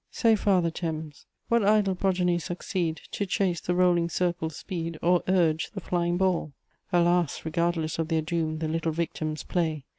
Say, Father Thames,... ...... What idle progeny succeed To chase the rolling circle's speed Or urge the flying ball? Alas! regardless of their doom The little victims play!